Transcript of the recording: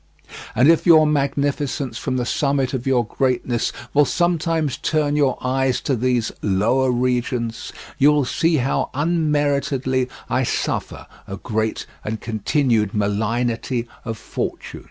And if your Magnificence from the summit of your greatness will sometimes turn your eyes to these lower regions, you will see how unmeritedly I suffer a great and continued malignity of fortune.